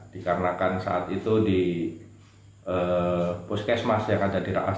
dikarenakan saat itu di puskesmas yang ada di raas